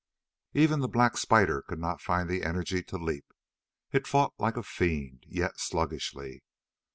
Even the black spider could not find the energy to leap. It fought like a fiend, yet sluggishly.